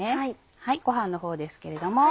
ご飯のほうですけれども。